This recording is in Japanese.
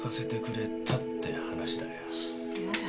やだ。